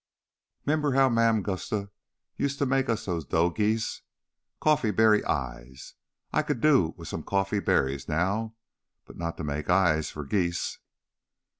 "'Member how Mam Gusta used to make us those dough geese? Coffee berry eyes.... I could do with some coffee berries now, but not to make eyes for geese!"